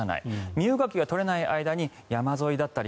身動きが取れない間に山沿いだったり